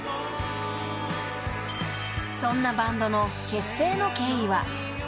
［そんなバンドの結成の経緯は］